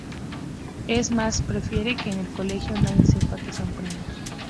Es más, prefiere que en el colegio nadie sepa que son primos.